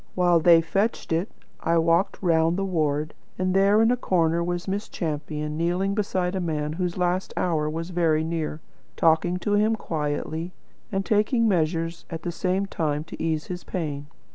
While they fetched it, I walked round the ward, and there in a corner was Miss Champion, kneeling beside a man whose last hour was very near, talking to him quietly, and taking measures at the same time to ease his pain.